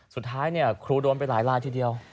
สุดท้ายครูโดนไปหลายลายทีเดียว